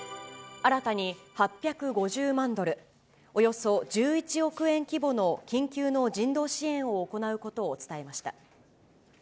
新たに８５０万ドル、およそ１１億円規模の緊急の人道支援を行うことを伝えました。